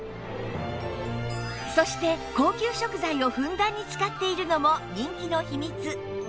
そして高級食材をふんだんに使っているのも人気の秘密